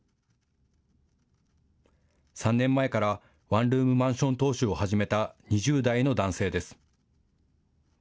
３年前からワンルームマンション投資を始めた２０代の男性です。